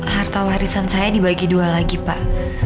harta warisan saya dibagi dua lagi pak